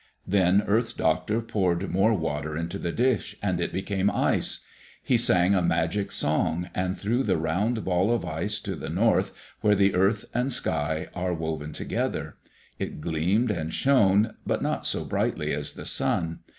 Then Earth Doctor poured more water into the dish and it became ice. He sang a magic song, and threw the round ball of ice to the north where the earth and sky are woven together. It gleamed and shone, but not so brightly as the sun.